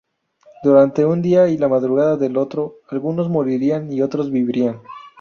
Durante un día y la madrugada del otro algunos morirán y otros vivirán.